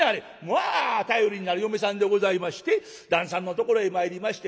まあ頼りになる嫁さんでございまして旦さんのところへ参りましてね